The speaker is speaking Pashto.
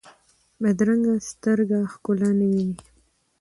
بدرنګه سترګې ښکلا نه ویني